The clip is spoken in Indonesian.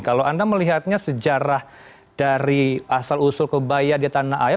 kalau anda melihatnya sejarah dari asal usul kebaya di tanah air